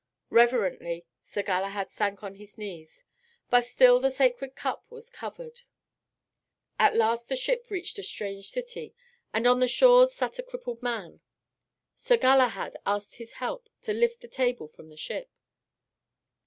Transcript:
Reverently Sir Galahad sank on his knees. But still the Sacred Cup was covered. At last the ship reached a strange city, and on the shore sat a crippled man. Sir Galahad asked his help to lift the table from the ship.